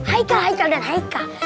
haikal haikal dan haikal